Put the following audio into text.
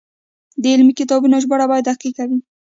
د علمي کتابونو ژباړه باید دقیقه وي.